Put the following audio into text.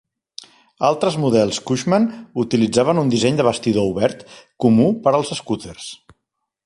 Altres models Cushman utilitzaven un disseny de bastidor obert, comú per als escúters.